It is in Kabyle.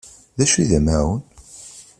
D acu i d amaεun?